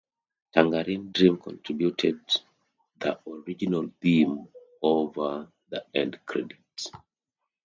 Tangerine Dream contributed the original theme over the end credits.